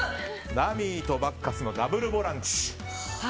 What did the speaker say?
ラミーとバッカスのダブルボランチ。